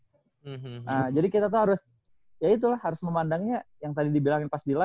nah jadi kita tuh harus ya itu lah harus memandangnya yang tadi dibilangin pas di live